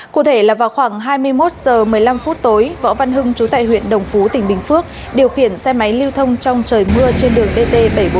cụ thể là vào khoảng hai mươi một h một mươi năm phút tối võ văn hưng chú tại huyện đồng phú tỉnh bình phước điều khiển xe máy lưu thông trong trời mưa trên đường dt bảy trăm bốn mươi